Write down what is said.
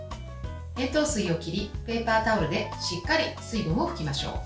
塩糖水を切り、ペーパータオルでしっかり水分を拭きましょう。